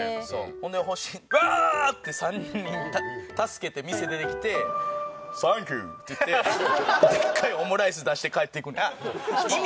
ほんで星「ワアーッ」って３人助けて店出てきて「Ｔｈａｎｋｙｏｕ」って言ってでっかいオムライス出して帰っていくんですよ。